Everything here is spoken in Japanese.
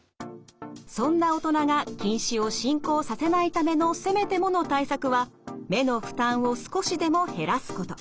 そんな大人が近視を進行させないためのせめてもの対策は目の負担を少しでも減らすこと。